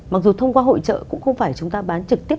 mặc dù thông qua hội trợ cũng không phải chúng ta bán trực tiếp